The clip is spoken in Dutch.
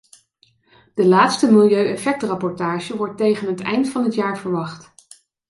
De laatste milieueffectrapportage wordt tegen het eind van het jaar verwacht.